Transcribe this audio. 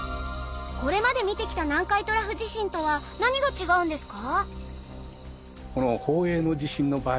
これまで見てきた南海トラフ地震とは何が違うんですか？